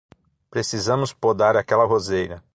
Precisamos podar aquela roseira.